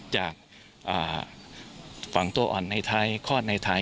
จากฝั่งโตอร์ในไทยคลอดในไทย